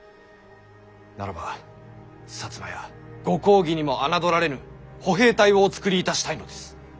ならば摩やご公儀にも侮られぬ歩兵隊をお作りいたしたいのです。